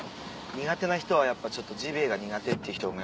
苦手な人はやっぱジビエが苦手って人も。